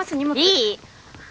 いい！